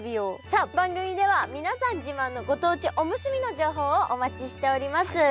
さあ番組では皆さん自慢のご当地おむすびの情報をお待ちしております。